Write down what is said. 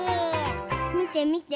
みてみて。